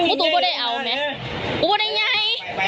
กูแป๊บได้ไง